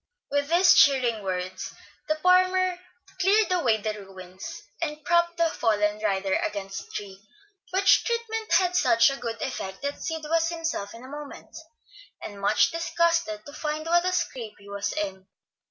With these cheering words, the farmer cleared away the ruins, and propped the fallen rider against a tree; which treatment had such a good effect that Sid was himself in a moment, and much disgusted to find what a scrape he was in.